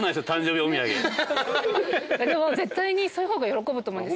でも絶対にそういう方が喜ぶと思うんですよ。